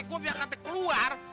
eh gua biar kata keluar